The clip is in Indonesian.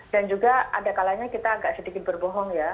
dan juga ada kalanya kita agak sedikit berbohong ya